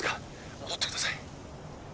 戻ってください